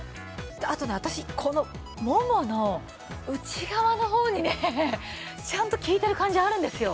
あとね私このももの内側の方にねちゃんと効いている感じがあるんですよ。